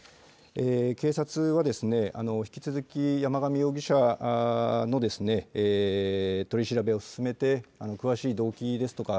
警察は引き続き山上容疑者の取り調べを進めて詳しい動機ですとか